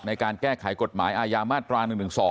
ในการแก้ไขกฎหมายอาญามาตรา๑๑๒